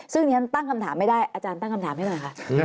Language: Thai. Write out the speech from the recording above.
ซึ่งดิฉันตั้งคำถามไม่ได้อาจารย์ตั้งคำถามให้หน่อยค่ะ